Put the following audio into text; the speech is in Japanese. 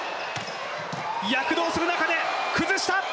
躍動する中で、崩した！